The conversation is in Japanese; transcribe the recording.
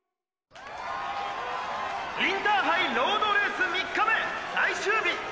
インターハイロードレース３日目最終日。